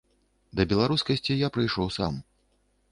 Да беларускасці я прыйшоў сам.